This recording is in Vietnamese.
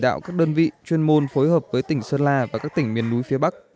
chỉ đạo các đơn vị chuyên môn phối hợp với tỉnh sơn la và các tỉnh miền núi phía bắc